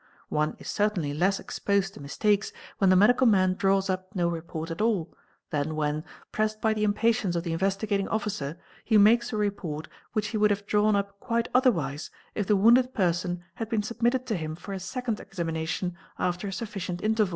One is certainly less exposed to mistakes when the medical man draws up no report at all, than when, _ pressed by the impatience of the Investigating Officer, he makes a report which he would have drawn up quite otherwise if the wounded person 1 had been submitted to him for a second examination after a sufficient interval.